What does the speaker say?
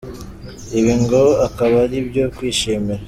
Ibi ngo akaba ari ibyo kwishimira.